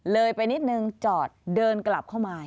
เลยไปนิดนึงจอดเดินกลับเข้ามา